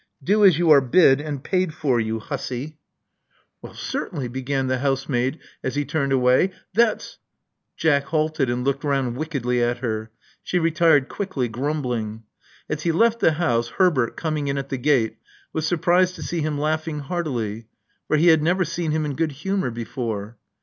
"Do as you are bid — and paid for, you hussy." 56 Love Among the Artists '*Well, certainly," began the housemaid, as he turned away, '*that's " Jack halted and looked round wickedly at her. She retired quickly, grumbling. As he left the house, Herbert, coming in at the gate, was surprised to see him laughing heartily; for he had never seen him in good humor before.